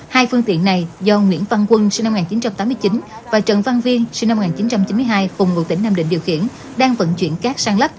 hai phương tiện này do nguyễn văn quân sinh năm một nghìn chín trăm tám mươi chín và trần văn viên sinh năm một nghìn chín trăm chín mươi hai cùng ngụ tỉnh nam định điều khiển đang vận chuyển cát săn lấp